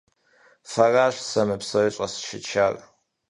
Фэращ сэ мы псори щӀэсшэчар.